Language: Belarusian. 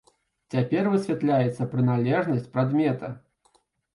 Цяпер высвятляецца прыналежнасць прадмета.